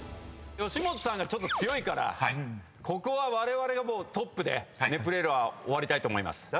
吉本さんがちょっと強いからここはわれわれがトップでネプレールは終わりたいと思います。